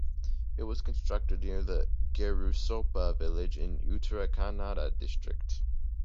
It was constructed near the Gerusoppa village in the Uttara Kannada district.